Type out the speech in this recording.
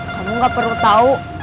kamu nggak perlu tahu